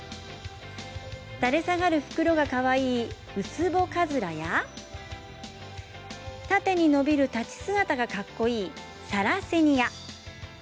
垂れ下がる袋がかわいいウツボカズラや縦に伸びる立ち姿がかっこいいサラセニア。